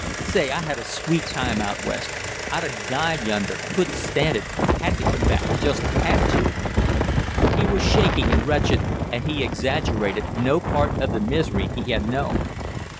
Say, I had a sweet time out West! I'd a died yonder; I couldn't stand it, I had to come back just had to!" He was shaking and wretched, and he exaggerated no part of the misery he had known.